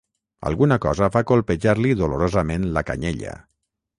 Alguna cosa va colpejar-li dolorosament la canyella.